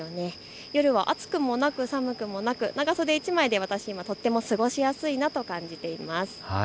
夜は暑くもなく寒くもなく長袖１枚で私とても過ごしやすいなと感じています。